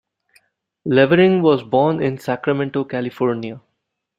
Levering was born in Sacramento, California.